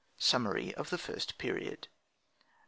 SUMMARY OF THE FIRST PERIOD. £ s.